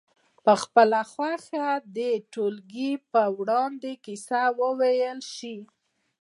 په خپله خوښه دې د ټولګي په وړاندې کیسه وویل شي.